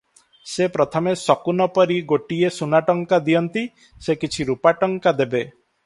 ସେ ପ୍ରଥମେ ଶକୁନ ପରି ଗୋଟିଏ ସୁନାଟଙ୍କା ଦିଅନ୍ତି, ସେ କିଛି ରୂପା ଟଙ୍କା ଦେବେ?